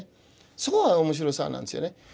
そこが面白さなんですよね。